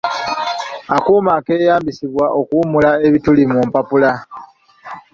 Akuuma akeeyambisibwa okuwumula ebituli mu mpapula.